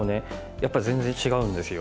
やっぱり全然違うんですよ。